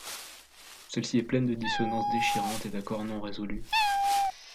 Celle-ci est pleine de dissonances déchirantes et d'accords non résolus.